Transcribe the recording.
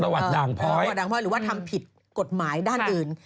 ประวัติด่างพ้อยหรือว่าทำผิดกฎหมายด้านอื่น